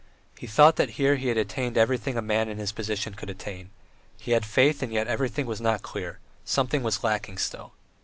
He thought that here he had attained everything a man in his position could attain; he had faith and yet everything was not clear, something was lacking still.